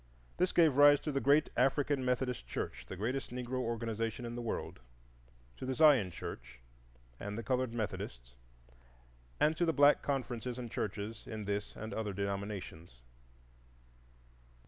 This gave rise to the great African Methodist Church, the greatest Negro organization in the world, to the Zion Church and the Colored Methodist, and to the black conferences and churches in this and other denominations.